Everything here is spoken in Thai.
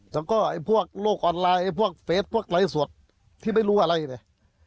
แต่ก็ไอ้พวกโลกออนไลน์ไอ้พวกเฟซพวกหลายส่วนที่ไม่รู้อะไรเนี่ย